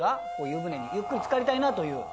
湯船にゆっくりつかりたいなという。